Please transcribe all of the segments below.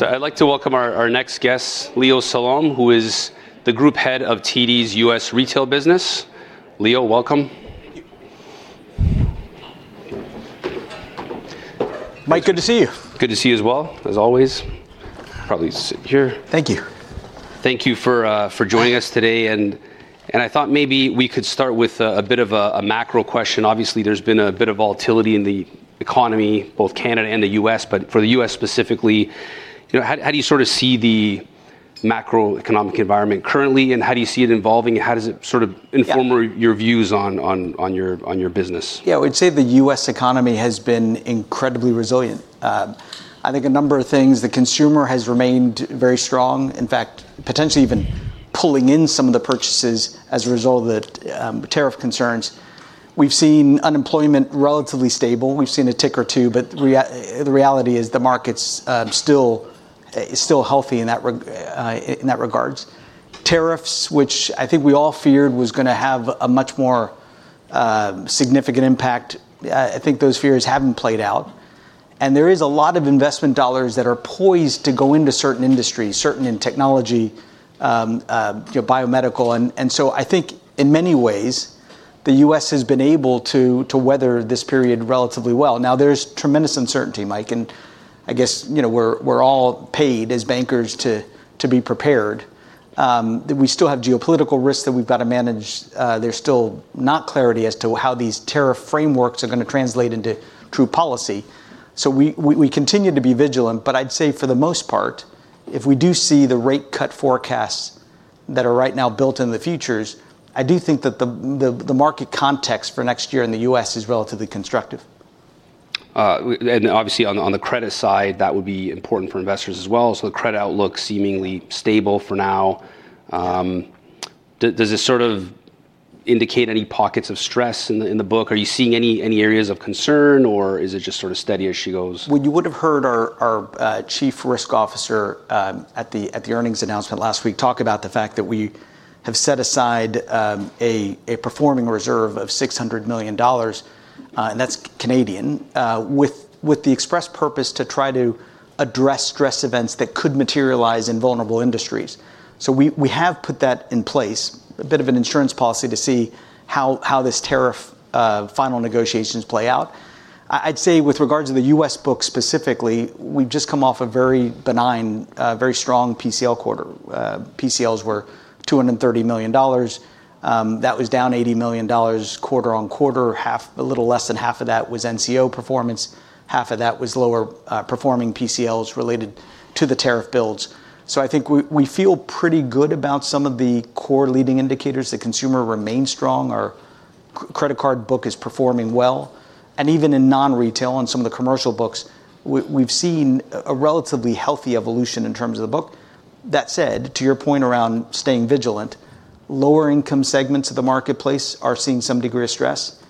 I'd like to welcome our next guest, Leo Salom, who is the Group Head of TD's U.S. Retail Business. Leo, welcome. Thank you. Mike, good to see you. Good to see you as well, as always. Probably sit here. Thank you. Thank you for joining us today. And I thought maybe we could start with a bit of a macro question. Obviously, there's been a bit of volatility in the economy, both Canada and the U.S., but for the U.S. specifically, how do you sort of see the macroeconomic environment currently, and how do you see it evolving, and how does it sort of inform your views on your business? Yeah, I would say the U.S. economy has been incredibly resilient. I think a number of things: the consumer has remained very strong, in fact, potentially even pulling in some of the purchases as a result of the tariff concerns. We've seen unemployment relatively stable. We've seen a tick or two, but the reality is the market's still healthy in that regard. Tariffs, which I think we all feared was going to have a much more significant impact, I think those fears haven't played out. And there are a lot of investment dollars that are poised to go into certain industries, certain in technology, biomedical. And so I think in many ways, the U.S. has been able to weather this period relatively well. Now, there's tremendous uncertainty, Mike, and I guess we're all paid as bankers to be prepared. We still have geopolitical risks that we've got to manage. There's still not clarity as to how these tariff frameworks are going to translate into true policy, so we continue to be vigilant, but I'd say for the most part, if we do see the rate cut forecasts that are right now built in the futures, I do think that the market context for next year in the U.S. is relatively constructive. And obviously, on the credit side, that would be important for investors as well. So the credit outlook seemingly stable for now. Does this sort of indicate any pockets of stress in the book? Are you seeing any areas of concern, or is it just sort of steady as she goes? You would have heard our Chief Risk Officer at the earnings announcement last week talk about the fact that we have set aside a performing reserve of 600 million dollars, and that's Canadian, with the express purpose to try to address stress events that could materialize in vulnerable industries. So we have put that in place, a bit of an insurance policy to see how this tariff final negotiations play out. I'd say with regards to the U.S. book specifically, we've just come off a very benign, very strong PCL quarter. PCLs were $230 million. That was down $80 million quarter on quarter. A little less than half of that was NCO performance. Half of that was lower performing PCLs related to the tariff builds. So I think we feel pretty good about some of the core leading indicators. The consumer remains strong. Our credit card book is performing well. Even in non-retail and some of the commercial books, we've seen a relatively healthy evolution in terms of the book. That said, to your point around staying vigilant, lower income segments of the marketplace are seeing some degree of stress.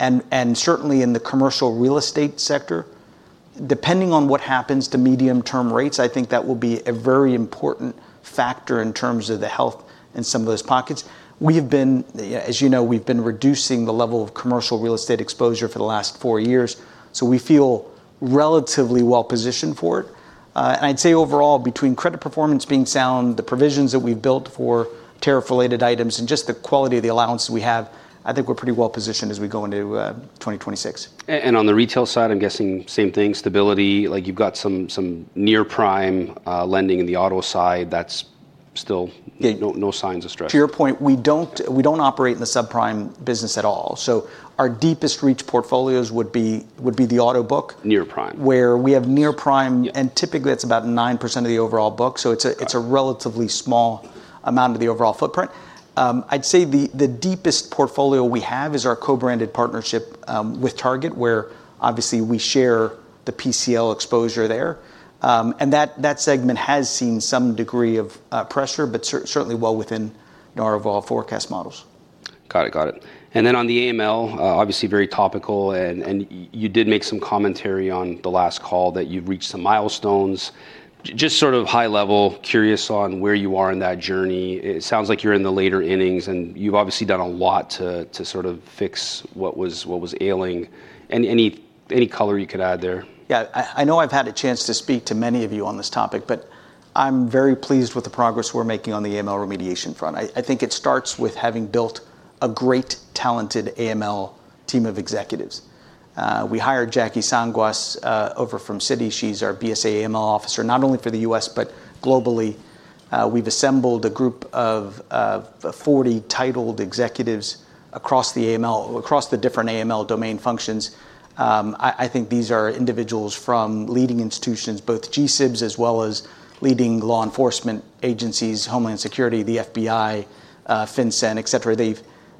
Certainly in the commercial real estate sector, depending on what happens to medium-term rates, I think that will be a very important factor in terms of the health in some of those pockets. We have been, as you know, we've been reducing the level of commercial real estate exposure for the last four years, so we feel relatively well positioned for it. I'd say overall, between credit performance being sound, the provisions that we've built for tariff-related items, and just the quality of the allowance we have, I think we're pretty well positioned as we go into 2026. And on the retail side, I'm guessing same thing, stability. Like you've got some near-prime lending in the auto side. That's still no signs of stress. To your point, we don't operate in the subprime business at all. So our deepest reach portfolios would be the auto book. Near prime. Where we have near-prime, and typically that's about 9% of the overall book. So it's a relatively small amount of the overall footprint. I'd say the deepest portfolio we have is our co-branded partnership with Target, where obviously we share the PCL exposure there, and that segment has seen some degree of pressure, but certainly well within our overall forecast models. Got it, got it. And then on the AML, obviously very topical, and you did make some commentary on the last call that you've reached some milestones. Just sort of high level, curious on where you are in that journey. It sounds like you're in the later innings, and you've obviously done a lot to sort of fix what was ailing. Any color you could add there? Yeah, I know I've had a chance to speak to many of you on this topic, but I'm very pleased with the progress we're making on the AML remediation front. I think it starts with having built a great, talented AML team of executives. We hired Jackie Sanjuas over from Citi. She's our BSA AML officer, not only for the U.S., but globally. We've assembled a group of 40 titled executives across the AML, across the different AML domain functions. I think these are individuals from leading institutions, both GSIBs as well as leading law enforcement agencies, Homeland Security, the FBI, FinCEN, et cetera.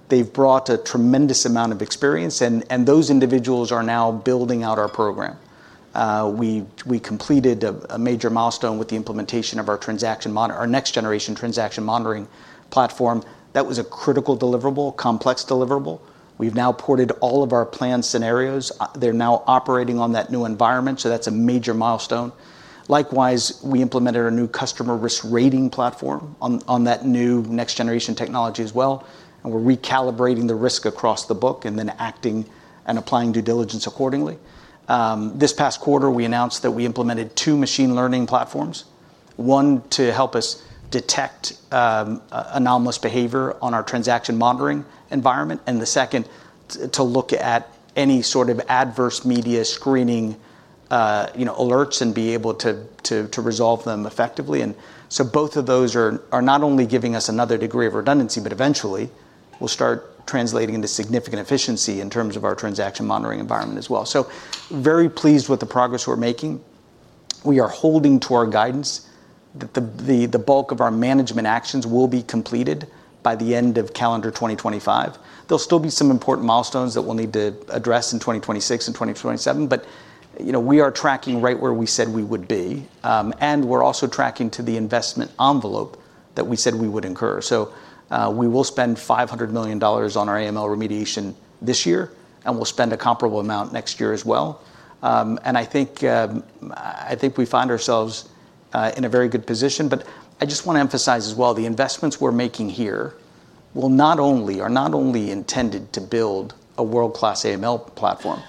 They've brought a tremendous amount of experience, and those individuals are now building out our program. We completed a major milestone with the implementation of our next generation transaction monitoring platform. That was a critical deliverable, complex deliverable. We've now ported all of our planned scenarios. They're now operating on that new environment, so that's a major milestone. Likewise, we implemented a new customer risk rating platform on that new next generation technology as well, and we're recalibrating the risk across the book and then acting and applying due diligence accordingly. This past quarter, we announced that we implemented two machine learning platforms, one to help us detect anomalous behavior on our transaction monitoring environment, and the second to look at any sort of adverse media screening alerts and be able to resolve them effectively, and so both of those are not only giving us another degree of redundancy, but eventually will start translating into significant efficiency in terms of our transaction monitoring environment as well, so very pleased with the progress we're making. We are holding to our guidance that the bulk of our management actions will be completed by the end of calendar 2025. There'll still be some important milestones that we'll need to address in 2026 and 2027, but we are tracking right where we said we would be, and we're also tracking to the investment envelope that we said we would incur, so we will spend $500 million on our AML remediation this year, and we'll spend a comparable amount next year as well, and I think we find ourselves in a very good position, but I just want to emphasize as well, the investments we're making here are not only intended to build a world-class AML platform,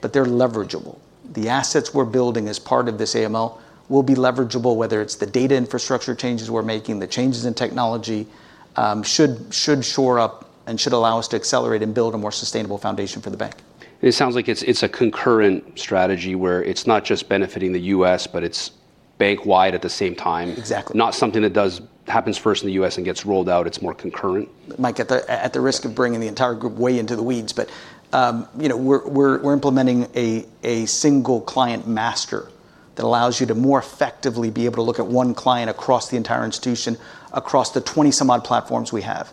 but they're leverageable. The assets we're building as part of this AML will be leverageable, whether it's the data infrastructure changes we're making, the changes in technology, should shore up and should allow us to accelerate and build a more sustainable foundation for the bank. It sounds like it's a concurrent strategy where it's not just benefiting the U.S., but it's bank-wide at the same time. Exactly. Not something that happens first in the U.S. and gets rolled out. It's more concurrent. Mike, at the risk of bringing the entire group way into the weeds, but we're implementing a single client master that allows you to more effectively be able to look at one client across the entire institution, across the 20 some odd platforms we have.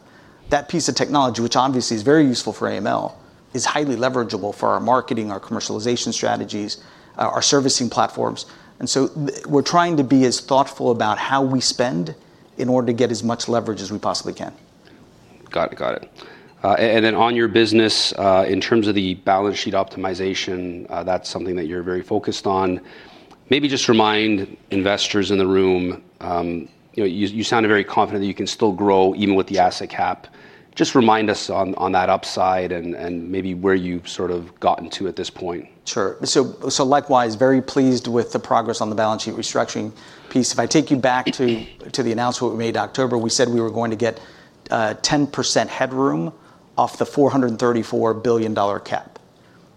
That piece of technology, which obviously is very useful for AML, is highly leverageable for our marketing, our commercialization strategies, our servicing platforms, and so we're trying to be as thoughtful about how we spend in order to get as much leverage as we possibly can. Got it, got it. And then on your business, in terms of the balance sheet optimization, that's something that you're very focused on. Maybe just remind investors in the room, you sounded very confident that you can still grow even with the asset cap. Just remind us on that upside and maybe where you've sort of gotten to at this point. Sure. So likewise, very pleased with the progress on the balance sheet restructuring piece. If I take you back to the announcement we made in October, we said we were going to get 10% headroom off the $434 billion cap.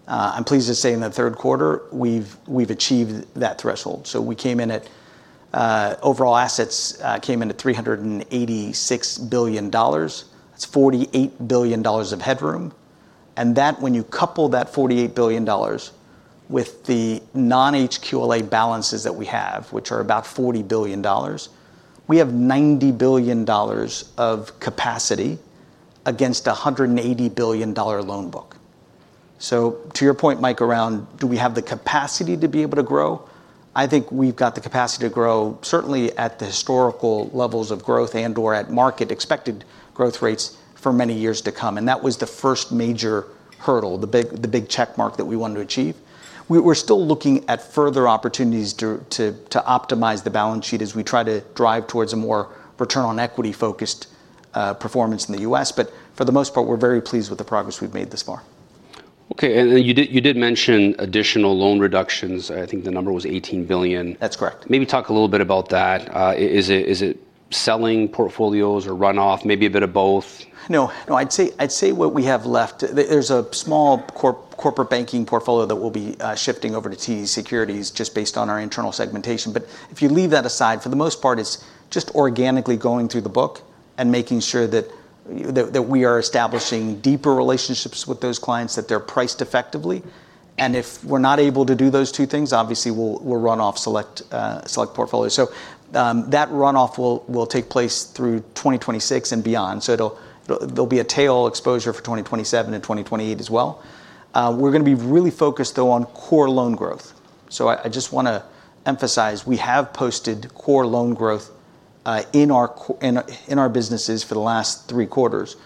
I'm pleased to say in the third quarter, we've achieved that threshold. So overall assets came in at $386 billion. That's $48 billion of headroom. And that, when you couple that $48 billion with the non-HQLA balances that we have, which are about $40 billion, we have $90 billion of capacity against a $180 billion loan book. So to your point, Mike, around do we have the capacity to be able to grow, I think we've got the capacity to grow certainly at the historical levels of growth and/or at market expected growth rates for many years to come. That was the first major hurdle, the big check mark that we wanted to achieve. We're still looking at further opportunities to optimize the balance sheet as we try to drive towards a more return on equity-focused performance in the U.S. For the most part, we're very pleased with the progress we've made thus far. Okay. And you did mention additional loan reductions. I think the number was $18 billion. That's correct. Maybe talk a little bit about that. Is it selling portfolios or runoff, maybe a bit of both? No, no. I'd say what we have left, there's a small corporate banking portfolio that will be shifting over to TD Securities just based on our internal segmentation. But if you leave that aside, for the most part, it's just organically going through the book and making sure that we are establishing deeper relationships with those clients, that they're priced effectively. And if we're not able to do those two things, obviously we'll run off select portfolios. So that runoff will take place through 2026 and beyond. So there'll be a tail exposure for 2027 and 2028 as well. We're going to be really focused though on core loan growth. So I just want to emphasize, we have posted core loan growth in our businesses for the last three quarters.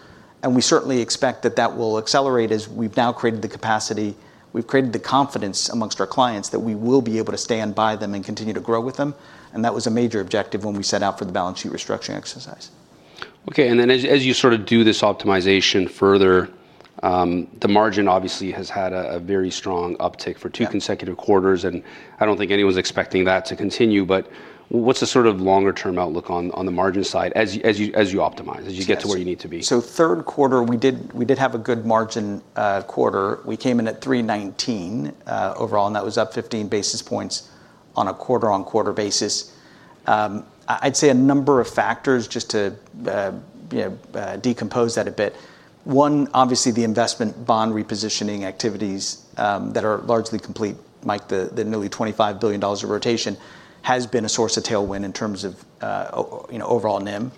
We certainly expect that that will accelerate as we've now created the capacity. We've created the confidence among our clients that we will be able to stand by them and continue to grow with them. That was a major objective when we set out for the balance sheet restructuring exercise. Okay. And then as you sort of do this optimization further, the margin obviously has had a very strong uptick for two consecutive quarters. And I don't think anyone's expecting that to continue, but what's the sort of longer-term outlook on the margin side as you optimize, as you get to where you need to be? So, third quarter, we did have a good margin quarter. We came in at 3.19 overall, and that was up 15 basis points on a quarter-on-quarter basis. I'd say a number of factors just to decompose that a bit. One, obviously the investment bond repositioning activities that are largely complete, Mike, the nearly $25 billion of rotation has been a source of tailwind in terms of overall NIM.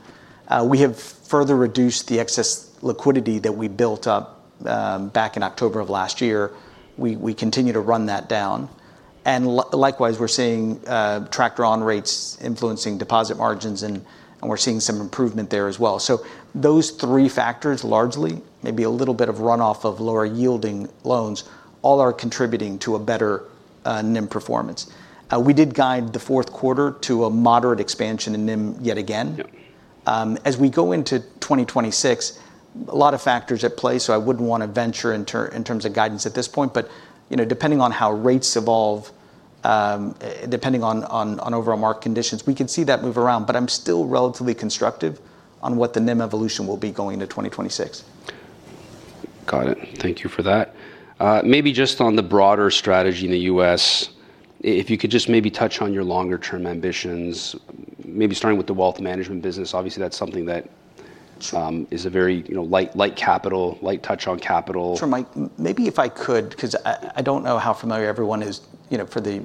We have further reduced the excess liquidity that we built up back in October of last year. We continue to run that down. And likewise, we're seeing tracked drawn rates influencing deposit margins, and we're seeing some improvement there as well. So those three factors largely, maybe a little bit of runoff of lower yielding loans, all are contributing to a better NIM performance. We did guide the fourth quarter to a moderate expansion in NIM yet again. As we go into 2026, a lot of factors at play, so I wouldn't want to venture in terms of guidance at this point. But depending on how rates evolve, depending on overall market conditions, we can see that move around. But I'm still relatively constructive on what the NIM evolution will be going into 2026. Got it. Thank you for that. Maybe just on the broader strategy in the U.S., if you could just maybe touch on your longer-term ambitions, maybe starting with the wealth management business. Obviously, that's something that is a very light capital, light touch on capital. Sure, Mike. Maybe if I could, because I don't know how familiar everyone is for the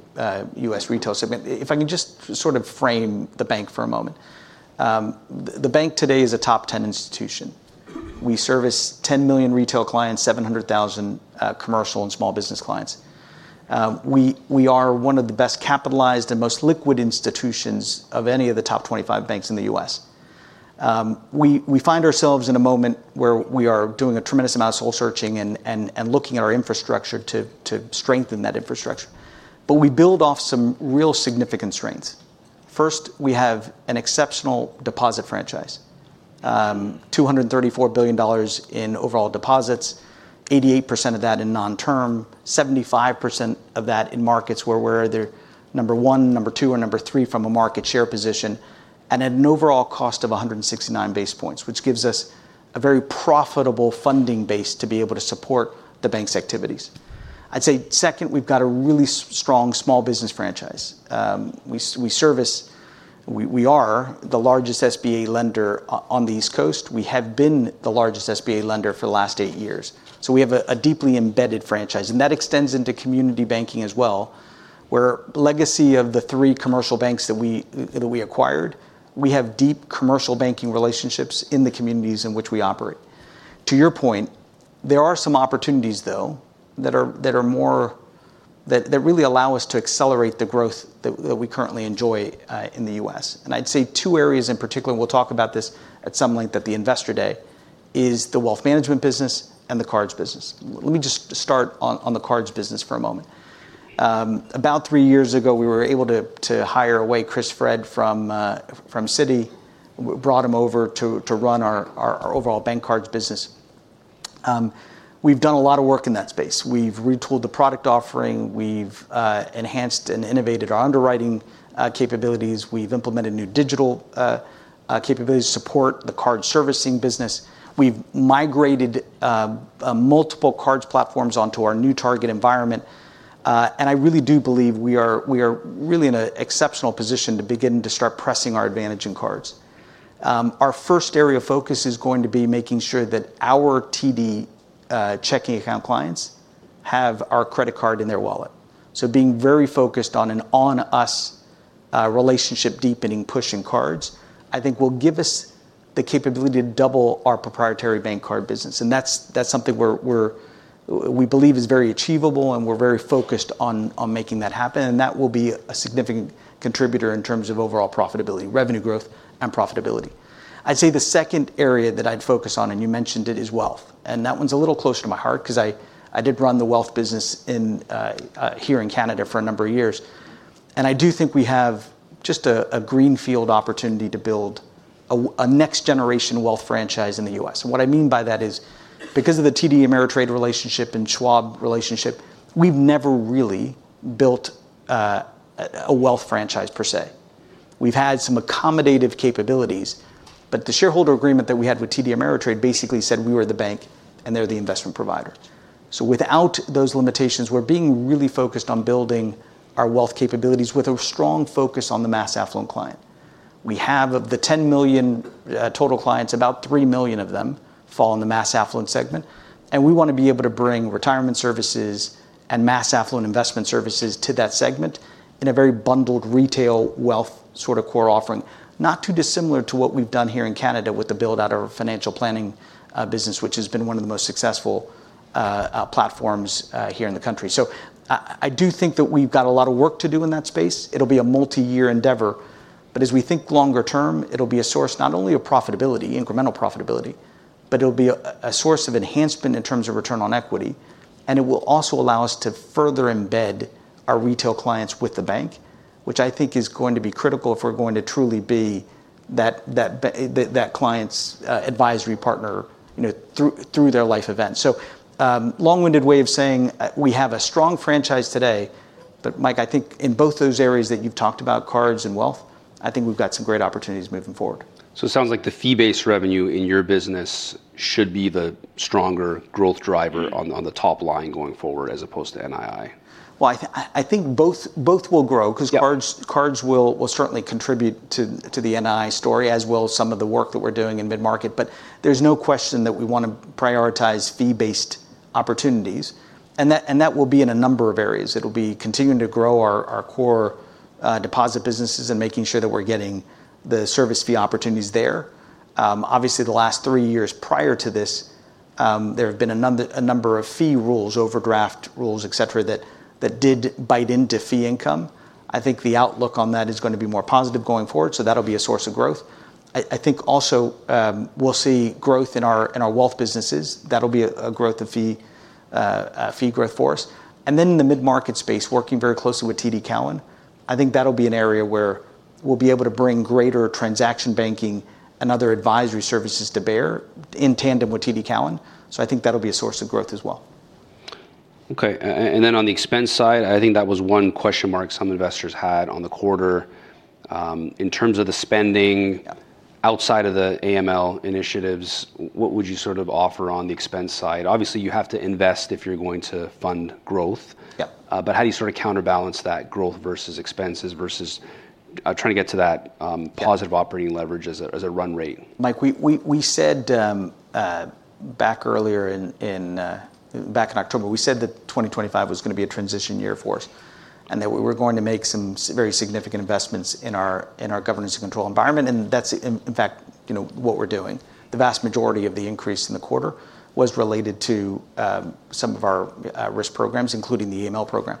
U.S. retail segment, if I can just sort of frame the bank for a moment. The bank today is a top 10 institution. We service 10 million retail clients, 700,000 commercial and small business clients. We are one of the best capitalized and most liquid institutions of any of the top 25 banks in the U.S. We find ourselves in a moment where we are doing a tremendous amount of soul searching and looking at our infrastructure to strengthen that infrastructure. But we build off some real significant strengths. First, we have an exceptional deposit franchise, $234 billion in overall deposits, 88% of that in non-term, 75% of that in markets where we're either number one, number two, or number three from a market share position, and at an overall cost of 169 basis points, which gives us a very profitable funding base to be able to support the bank's activities. I'd say second, we've got a really strong small business franchise. We are the largest SBA lender on the East Coast. We have been the largest SBA lender for the last eight years. So we have a deeply embedded franchise. That extends into community banking as well, where legacy of the three commercial banks that we acquired, we have deep commercial banking relationships in the communities in which we operate. To your point, there are some opportunities though that really allow us to accelerate the growth that we currently enjoy in the U.S. And I'd say two areas in particular, and we'll talk about this at some length at the Investor Day, is the wealth management business and the cards business. Let me just start on the cards business for a moment. About three years ago, we were able to hire away Chris Fred from Citi. We brought him over to run our overall bank cards business. We've done a lot of work in that space. We've retooled the product offering. We've enhanced and innovated our underwriting capabilities. We've implemented new digital capabilities to support the card servicing business. We've migrated multiple cards platforms onto our new target environment. And I really do believe we are really in an exceptional position to begin to start pressing our advantage in cards. Our first area of focus is going to be making sure that our TD checking account clients have our credit card in their wallet, so being very focused on an on-us relationship deepening push in cards, I think will give us the capability to double our proprietary bank card business, and that's something we believe is very achievable, and we're very focused on making that happen, and that will be a significant contributor in terms of overall profitability, revenue growth, and profitability. I'd say the second area that I'd focus on, and you mentioned it, is wealth, and that one's a little closer to my heart because I did run the wealth business here in Canada for a number of years, and I do think we have just a greenfield opportunity to build a next generation wealth franchise in the U.S. What I mean by that is because of the TD Ameritrade relationship and Schwab relationship, we've never really built a wealth franchise per se. We've had some accommodative capabilities, but the shareholder agreement that we had with TD Ameritrade basically said we were the bank and they're the investment provider. So without those limitations, we're being really focused on building our wealth capabilities with a strong focus on the mass affluent client. We have, of the 10 million total clients, about 3 million of them fall in the mass affluent segment. And we want to be able to bring retirement services and mass affluent investment services to that segment in a very bundled retail wealth sort of core offering, not too dissimilar to what we've done here in Canada with the build-out of our financial planning business, which has been one of the most successful platforms here in the country. So I do think that we've got a lot of work to do in that space. It'll be a multi-year endeavor. But as we think longer term, it'll be a source not only of profitability, incremental profitability, but it'll be a source of enhancement in terms of return on equity. And it will also allow us to further embed our retail clients with the bank, which I think is going to be critical if we're going to truly be that client's advisory partner through their life event. So long-winded way of saying we have a strong franchise today. But Mike, I think in both those areas that you've talked about, cards and wealth, I think we've got some great opportunities moving forward. So it sounds like the fee-based revenue in your business should be the stronger growth driver on the top line going forward as opposed to NII. I think both will grow because cards will certainly contribute to the NII story as well as some of the work that we're doing in mid-market. But there's no question that we want to prioritize fee-based opportunities. And that will be in a number of areas. It'll be continuing to grow our core deposit businesses and making sure that we're getting the service fee opportunities there. Obviously, the last three years prior to this, there have been a number of fee rules, overdraft rules, et cetera, that did bite into fee income. I think the outlook on that is going to be more positive going forward. So that'll be a source of growth. I think also we'll see growth in our wealth businesses. That'll be a growth of fee growth for us. And then in the mid-market space, working very closely with TD Cowen, I think that'll be an area where we'll be able to bring greater transaction banking and other advisory services to bear in tandem with TD Cowen. So I think that'll be a source of growth as well. Okay. And then on the expense side, I think that was one question mark some investors had on the quarter. In terms of the spending outside of the AML initiatives, what would you sort of offer on the expense side? Obviously, you have to invest if you're going to fund growth. But how do you sort of counterbalance that growth versus expenses versus trying to get to that positive operating leverage as a run rate? Mike, we said back earlier in October that 2025 was going to be a transition year for us and that we were going to make some very significant investments in our governance and control environment, and that's, in fact, what we're doing. The vast majority of the increase in the quarter was related to some of our risk programs, including the AML program,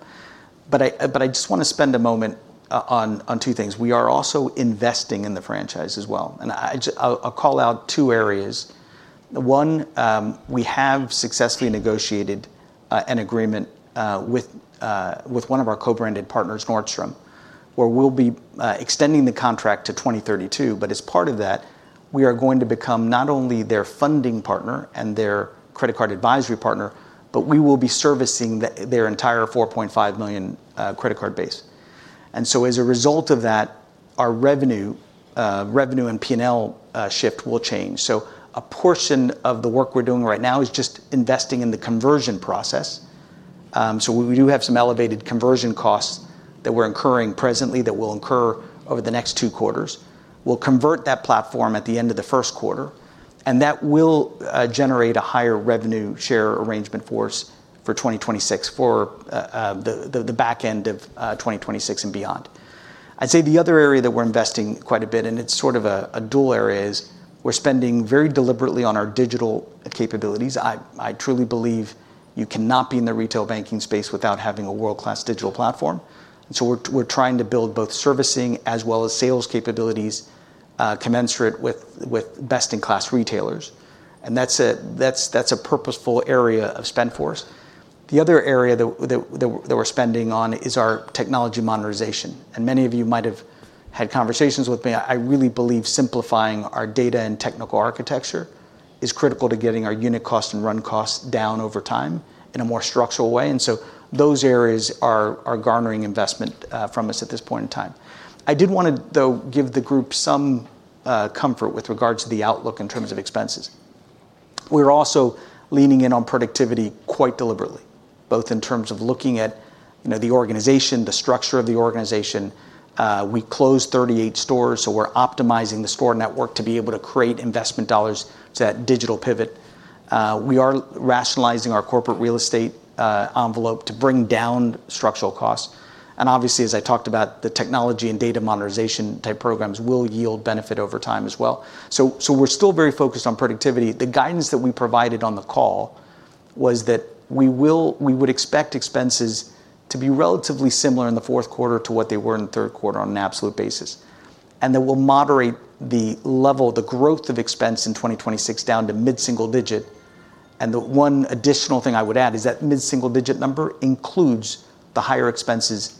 but I just want to spend a moment on two things. We are also investing in the franchise as well, and I'll call out two areas. One, we have successfully negotiated an agreement with one of our co-branded partners, Nordstrom, where we'll be extending the contract to 2032, but as part of that, we are going to become not only their funding partner and their credit card advisory partner, but we will be servicing their entire 4.5 million credit card base. And so as a result of that, our revenue and P&L shift will change. So a portion of the work we're doing right now is just investing in the conversion process. So we do have some elevated conversion costs that we're incurring presently that will incur over the next two quarters. We'll convert that platform at the end of the first quarter. And that will generate a higher revenue share arrangement for us for 2026, for the back end of 2026 and beyond. I'd say the other area that we're investing quite a bit, and it's sort of a dual area, is we're spending very deliberately on our digital capabilities. I truly believe you cannot be in the retail banking space without having a world-class digital platform. And so we're trying to build both servicing as well as sales capabilities commensurate with best-in-class retailers. That's a purposeful area of spend for us. The other area that we're spending on is our technology modernization. Many of you might have had conversations with me. I really believe simplifying our data and technical architecture is critical to getting our unit cost and run costs down over time in a more structural way. So those areas are garnering investment from us at this point in time. I did want to, though, give the group some comfort with regards to the outlook in terms of expenses. We're also leaning in on productivity quite deliberately, both in terms of looking at the organization, the structure of the organization. We closed 38 stores, so we're optimizing the store network to be able to create investment dollars to that digital pivot. We are rationalizing our corporate real estate envelope to bring down structural costs. Obviously, as I talked about, the technology and data modernization type programs will yield benefit over time as well, so we're still very focused on productivity. The guidance that we provided on the call was that we would expect expenses to be relatively similar in the fourth quarter to what they were in the third quarter on an absolute basis, and that we'll moderate the level of the growth of expense in 2026 down to mid-single digit, and the one additional thing I would add is that mid-single digit number includes the higher expenses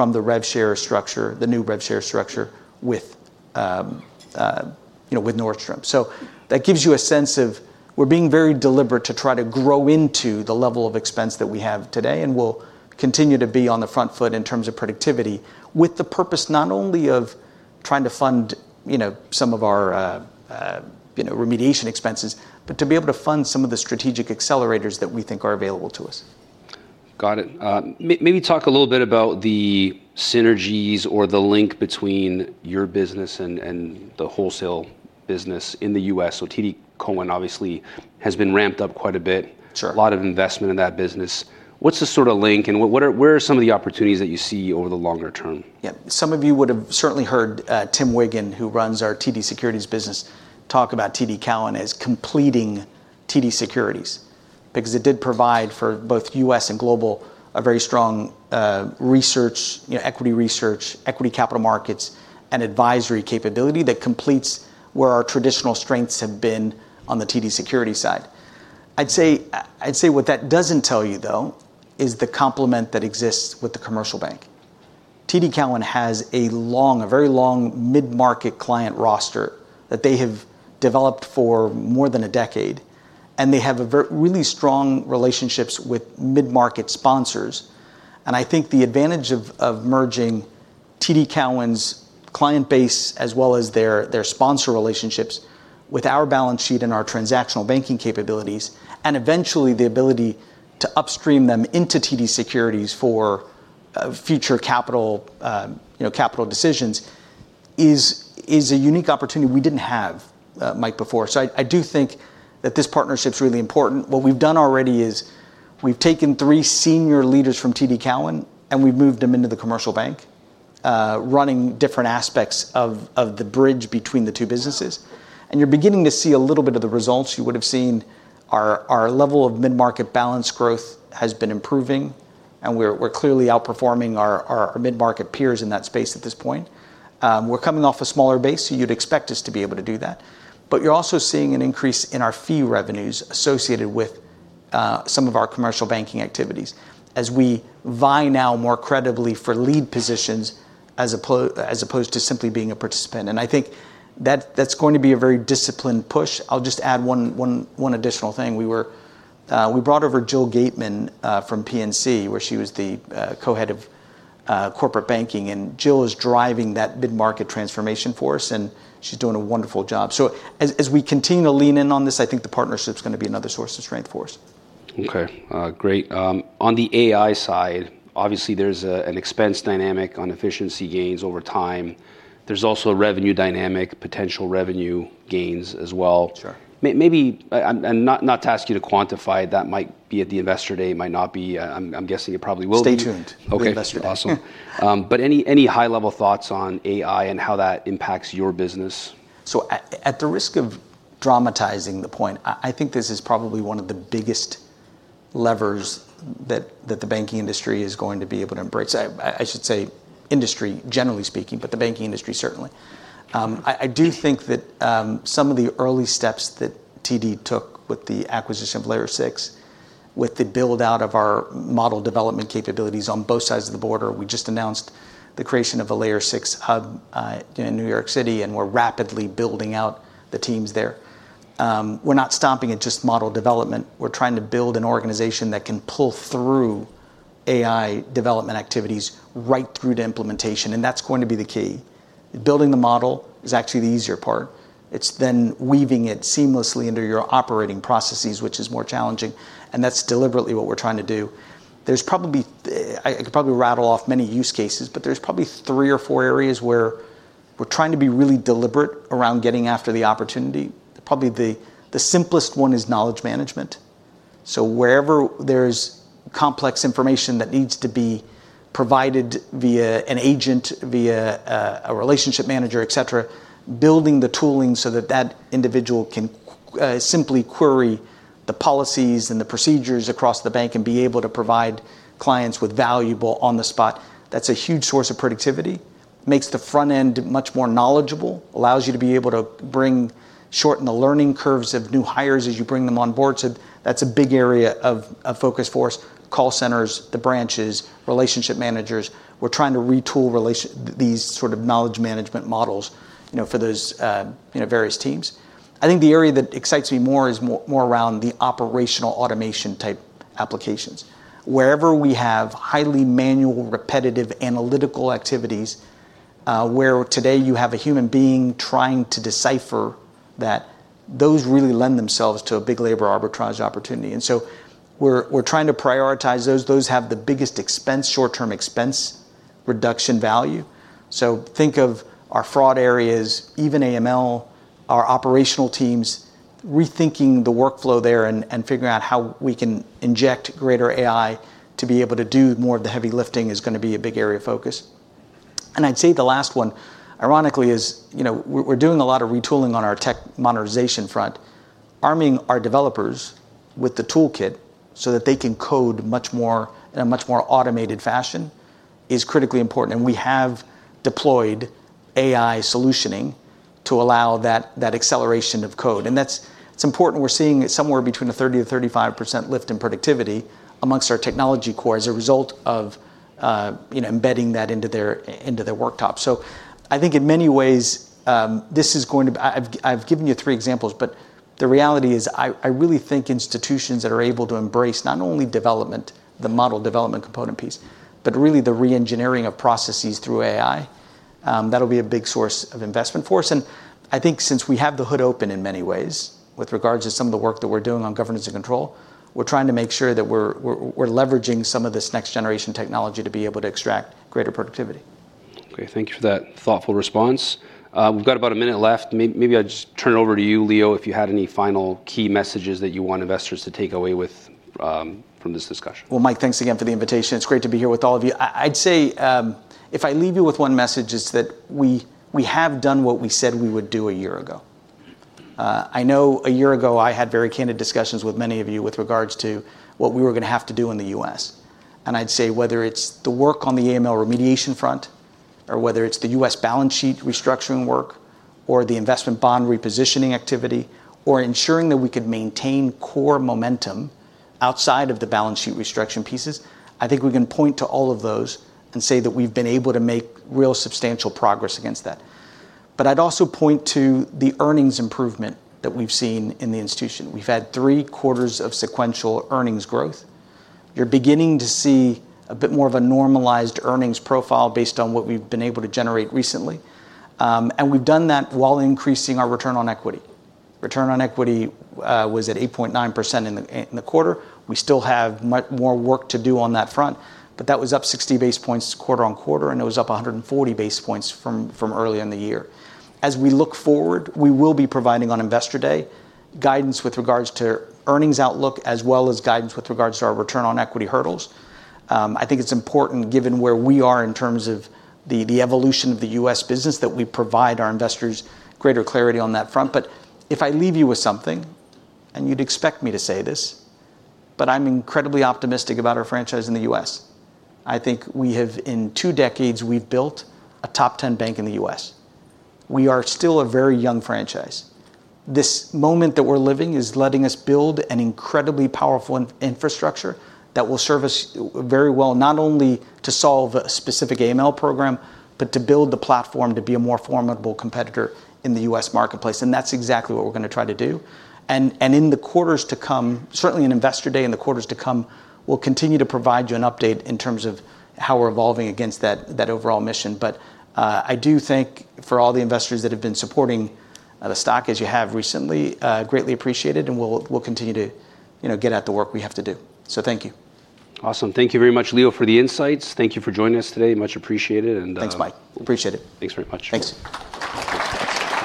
from the rev share structure, the new rev share structure with Nordstrom, so that gives you a sense of we're being very deliberate to try to grow into the level of expense that we have today. We'll continue to be on the front foot in terms of productivity with the purpose not only of trying to fund some of our remediation expenses, but to be able to fund some of the strategic accelerators that we think are available to us. Got it. Maybe talk a little bit about the synergies or the link between your business and the wholesale business in the U.S. So TD Cowen obviously has been ramped up quite a bit. A lot of investment in that business. What's the sort of link and where are some of the opportunities that you see over the longer term? Yeah. Some of you would have certainly heard Tim Wiggan, who runs our TD Securities business, talk about TD Cowen as completing TD Securities because it did provide, for both U.S. and global, a very strong research, equity research, equity capital markets, and advisory capability that completes where our traditional strengths have been on the TD Securities side. I'd say what that doesn't tell you, though, is the complement that exists with the commercial bank. TD Cowen has a very long mid-market client roster that they have developed for more than a decade, and they have really strong relationships with mid-market sponsors. I think the advantage of merging TD Cowen's client base as well as their sponsor relationships with our balance sheet and our transactional banking capabilities, and eventually the ability to upstream them into TD Securities for future capital decisions is a unique opportunity we didn't have, Mike, before. So I do think that this partnership's really important. What we've done already is we've taken three senior leaders from TD Cowen and we've moved them into the commercial bank, running different aspects of the bridge between the two businesses. And you're beginning to see a little bit of the results you would have seen. Our level of mid-market balance growth has been improving. And we're clearly outperforming our mid-market peers in that space at this point. We're coming off a smaller base. So you'd expect us to be able to do that. But you're also seeing an increase in our fee revenues associated with some of our commercial banking activities as we vie now more credibly for lead positions as opposed to simply being a participant. And I think that's going to be a very disciplined push. I'll just add one additional thing. We brought over Jill Gateman from PNC, where she was the co-head of corporate banking. And Jill is driving that mid-market transformation for us. And she's doing a wonderful job. So as we continue to lean in on this, I think the partnership's going to be another source of strength for us. Okay. Great. On the AI side, obviously there's an expense dynamic on efficiency gains over time. There's also a revenue dynamic, potential revenue gains as well. Maybe, and not to ask you to quantify it, that might be at the investor day. It might not be. I'm guessing it probably will be. Stay tuned. Okay. Awesome. But any high-level thoughts on AI and how that impacts your business? So at the risk of dramatizing the point, I think this is probably one of the biggest levers that the banking industry is going to be able to embrace. I should say industry, generally speaking, but the banking industry certainly. I do think that some of the early steps that TD took with the acquisition of Layer 6, with the build-out of our model development capabilities on both sides of the border, we just announced the creation of a Layer 6 hub in New York City. And we're rapidly building out the teams there. We're not stopping at just model development. We're trying to build an organization that can pull through AI development activities right through to implementation. And that's going to be the key. Building the model is actually the easier part. It's then weaving it seamlessly into your operating processes, which is more challenging. And that's deliberately what we're trying to do. I could probably rattle off many use cases, but there's probably three or four areas where we're trying to be really deliberate around getting after the opportunity. Probably the simplest one is knowledge management. So wherever there's complex information that needs to be provided via an agent, via a relationship manager, et cetera, building the tooling so that that individual can simply query the policies and the procedures across the bank and be able to provide clients with valuable on-the-spot. That's a huge source of productivity. Makes the front end much more knowledgeable, allows you to be able to shorten the learning curves of new hires as you bring them on board. So that's a big area of focus for us. Call centers, the branches, relationship managers. We're trying to retool these sort of knowledge management models for those various teams. I think the area that excites me more is more around the operational automation type applications. Wherever we have highly manual, repetitive analytical activities where today you have a human being trying to decipher that, those really lend themselves to a big labor arbitrage opportunity. And so we're trying to prioritize those. Those have the biggest short-term expense reduction value. So think of our fraud areas, even AML, our operational teams, rethinking the workflow there and figuring out how we can inject greater AI to be able to do more of the heavy lifting is going to be a big area of focus. And I'd say the last one, ironically, is we're doing a lot of retooling on our tech modernization front. Arming our developers with the toolkit so that they can code in a much more automated fashion is critically important. We have deployed AI solutioning to allow that acceleration of code. That's important. We're seeing somewhere between 30%-35% lift in productivity amongst our technology core as a result of embedding that into their worktop. I think in many ways, this is going to be. I've given you three examples, but the reality is I really think institutions that are able to embrace not only development, the model development component piece, but really the re-engineering of processes through AI, that'll be a big source of investment for us. I think since we have the hood open in many ways with regards to some of the work that we're doing on governance and control, we're trying to make sure that we're leveraging some of this next-generation technology to be able to extract greater productivity. Okay. Thank you for that thoughtful response. We've got about a minute left. Maybe I'll just turn it over to you, Leo, if you had any final key messages that you want investors to take away from this discussion. Mike, thanks again for the invitation. It's great to be here with all of you. I'd say if I leave you with one message is that we have done what we said we would do a year ago. I know a year ago I had very candid discussions with many of you with regards to what we were going to have to do in the U.S. And I'd say whether it's the work on the AML remediation front, or whether it's the U.S. balance sheet restructuring work, or the investment bond repositioning activity, or ensuring that we could maintain core momentum outside of the balance sheet restructuring pieces, I think we can point to all of those and say that we've been able to make real substantial progress against that. But I'd also point to the earnings improvement that we've seen in the institution. We've had three quarters of sequential earnings growth. You're beginning to see a bit more of a normalized earnings profile based on what we've been able to generate recently. And we've done that while increasing our return on equity. Return on equity was at 8.9% in the quarter. We still have much more work to do on that front. But that was up 60 base points quarter-on-quarter. And it was up 140 base points from early in the year. As we look forward, we will be providing on investor day guidance with regards to earnings outlook as well as guidance with regards to our return on equity hurdles. I think it's important, given where we are in terms of the evolution of the U.S. business, that we provide our investors greater clarity on that front. But if I leave you with something, and you'd expect me to say this, but I'm incredibly optimistic about our franchise in the U.S. I think in two decades, we've built a top 10 bank in the U.S. We are still a very young franchise. This moment that we're living is letting us build an incredibly powerful infrastructure that will serve us very well not only to solve a specific AML program, but to build the platform to be a more formidable competitor in the U.S. marketplace. And that's exactly what we're going to try to do. And in the quarters to come, certainly in investor day in the quarters to come, we'll continue to provide you an update in terms of how we're evolving against that overall mission. But I do think for all the investors that have been supporting the stock as you have recently, greatly appreciated. We'll continue to get at the work we have to do. Thank you. Awesome. Thank you very much, Leo, for the insights. Thank you for joining us today. Much appreciated. Thanks, Mike. Appreciate it. Thanks very much. Thanks.